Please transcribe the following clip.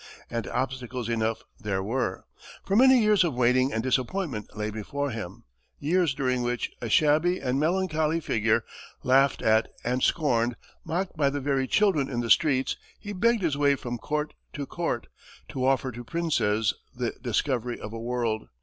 And obstacles enough there were, for many years of waiting and disappointment lay before him years during which, a shabby and melancholy figure, laughed at and scorned, mocked by the very children in the streets, he "begged his way from court to court, to offer to princes the discovery of a world."